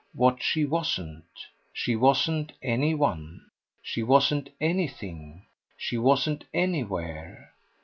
what she wasn't. She wasn't any one. She wasn't anything. She wasn't anywhere.